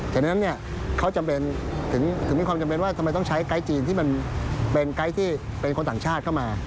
ฉะนั้นเขาจำเป็นถึงมีความจำเป็นว่าทำไมต้องใช้ไกด์จีนที่มันเป็นไกด์ที่เป็นคนต่างชาติเข้ามา